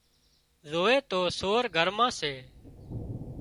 زووي تو سور گھر مان سي